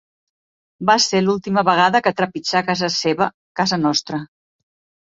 Va ser l'última vegada que trepitjà casa seva, casa nostra.